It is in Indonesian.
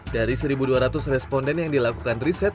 dari satu dua ratus responden yang dilakukan riset